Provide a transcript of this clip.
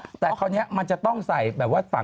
ไม่แต่คุณแม่ไม่ได้กรี๊ดร้องเพลงกรี๊ดอย่างเดียวไหม